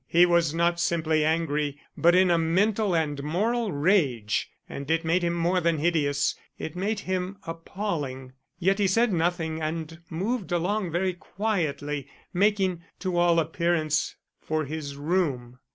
He was not simply angry but in a mental and moral rage, and it made him more than hideous; it made him appalling. Yet he said nothing and moved along very quietly, making, to all appearance, for his room.